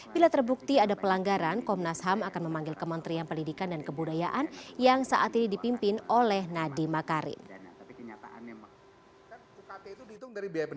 bila terbukti ada pelanggaran komnas ham akan memanggil kementerian pendidikan dan kebudayaan yang saat ini dipimpin oleh nadiem makarim